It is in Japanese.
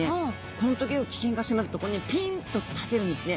このトゲを危険が迫るとここにピンと立てるんですね。